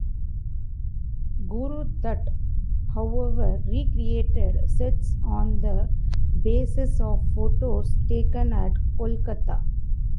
Guru Dutt however recreated sets on the basis of photos taken at Kolkata.